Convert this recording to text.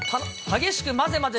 激しく混ぜると。